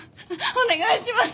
お願いします